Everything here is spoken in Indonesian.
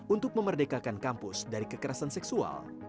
untuk memerdekakan kampus dari kekerasan seksual